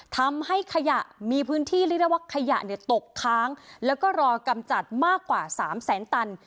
ทำให้ขยะมีพื้นที่เรียกได้ว่าขยะเนี่ยตกค้างแล้วก็รอกำจัดมากกว่า๓แสนตัน